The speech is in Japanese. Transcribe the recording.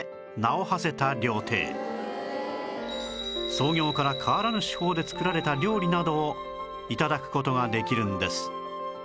創業から変わらぬ手法で作られた料理などを頂く事ができるんです